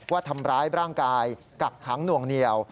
ว่าทำร้ายร่างกายกักขังหน่วงเหนียว